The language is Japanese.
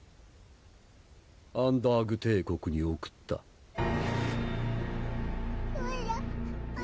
アンダーグ帝国に送ったそら？